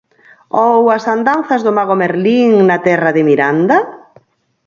Ou as andanzas do mago Merlín na terra de Miranda?